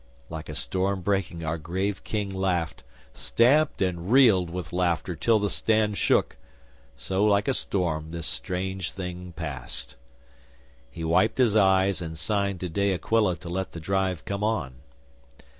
'Like a storm breaking, our grave King laughed, stamped and reeled with laughter till the stand shook. So, like a storm, this strange thing passed! 'He wiped his eyes, and signed to De Aquila to let the drive come on.